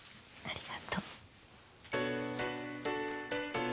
ありがと。